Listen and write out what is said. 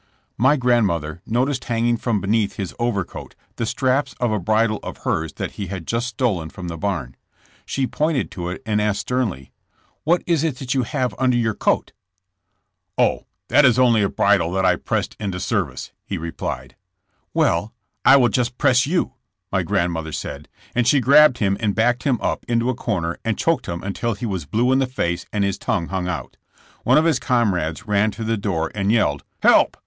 '' My grandmother noticed hanging from beneath his overcoat the straps of a bridle of hers that he had just stolen from the barn. She pointed to it and asked sternly: ' *'What is that you have under your coatT' 0h, that is only a bridle that I pressed into the service," he replied. 62 JESS^ JAMES. ''Well, I will just press you/' my grandmother said, and she grabbed him and backed him up into a corner and choked him until he was blue in the face and his tongue hung out. One of his comrades ran to the door and yelled: ''Help!